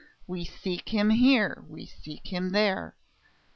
"We seek him here, we seek him there!"